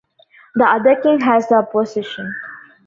The other king has the "opposition".